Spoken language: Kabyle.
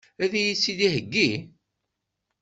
Ad iyi-tt-id-iheggi?